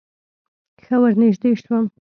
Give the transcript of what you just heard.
ښه ورنژدې سوم.